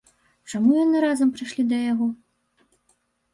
Чаму яны разам прыйшлі да яго?